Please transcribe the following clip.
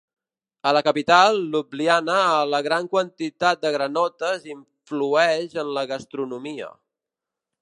A la capital, Ljubljana, la gran quantitat de granotes influeix en la gastronomia.